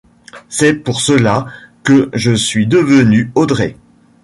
C’est pour cela que je suis devenue Audrey.